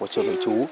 ở trường hồi chú